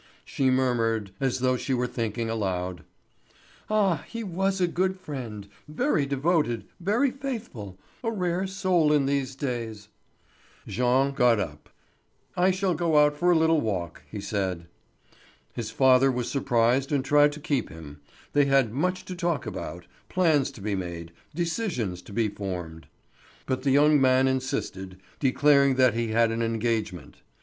She murmured, as though she were thinking aloud: "Ah, he was a good friend, very devoted, very faithful, a rare soul in these days." Jean got up. "I shall go out for a little walk," he said. His father was surprised and tried to keep him; they had much to talk about, plans to be made, decisions to be formed. But the young man insisted, declaring that he had an engagement.